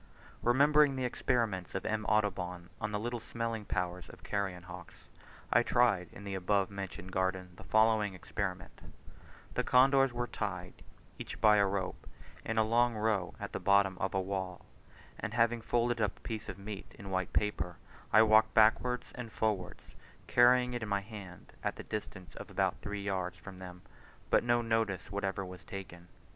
Remembering the experiments of M. Audubon, on the little smelling powers of carrion hawks, I tried in the above mentioned garden the following experiment: the condors were tied, each by a rope, in a long row at the bottom of a wall; and having folded up a piece of meat in white paper, I walked backwards and forwards, carrying it in my hand at the distance of about three yards from them, but no notice whatever was taken.